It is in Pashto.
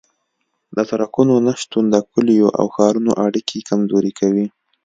د سرکونو نشتون د کلیو او ښارونو اړیکې کمزورې کوي